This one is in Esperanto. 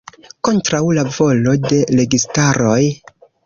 Kontraŭ la volo de registaroj.